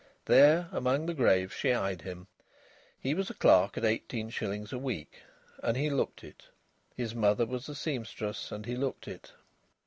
There, among the graves, she eyed him. He was a clerk at eighteen shillings a week, and he looked it. His mother was a sempstress, and he looked it.